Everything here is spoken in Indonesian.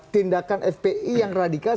tindakan fpi yang radikal itu apa